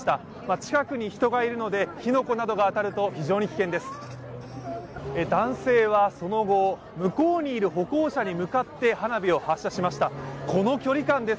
近くに人がいるので火の粉などが当たると非常に危険です。